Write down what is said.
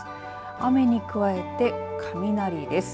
雨に加えて雷です。